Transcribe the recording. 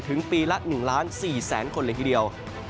ถึงปีละ๑๔๐๐๐๐๐คนเลยทีเดียว